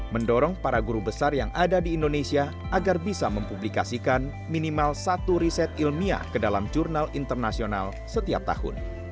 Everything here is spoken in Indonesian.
mendorong para guru besar yang ada di indonesia agar bisa mempublikasikan minimal satu riset ilmiah ke dalam jurnal internasional setiap tahun